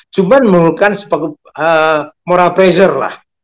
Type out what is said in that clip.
cuma memerlukan sebagai moral pressure lah